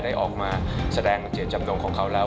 ได้ออกมาแสดงเจตจำนงของเขาแล้ว